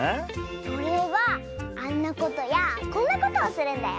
それはあんなことやこんなことをするんだよ。